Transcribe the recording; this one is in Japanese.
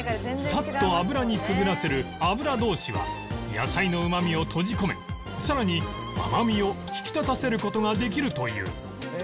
サッと油にくぐらせる油通しは野菜のうまみを閉じ込めさらに甘みを引き立たせる事ができるという